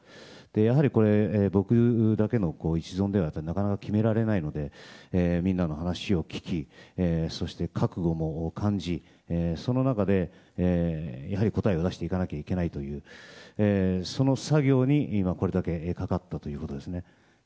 やはり、僕だけの一存ではなかなか決められないのでみんなの話を聞きそして覚悟も感じその中でやはり答えを出していかなきゃいけないというその作業にこれだけかかったということですね。